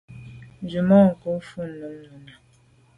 Tswemanko’ vù mum nenà.